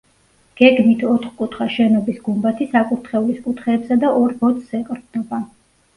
გეგმით ოთხკუთხა შენობის გუმბათი საკურთხევლის კუთხეებსა და ორ ბოძს ეყრდნობა.